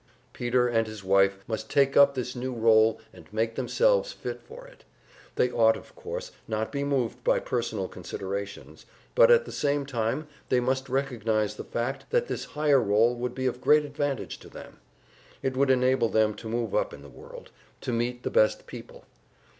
Peter and his wife must take up this new role and make themselves fit for it. They ought of course not be moved by personal considerations, but at the same time they must recognize the fact that this higher role would be of great advantage to them; it would enable them to move up in the world, to meet the best people.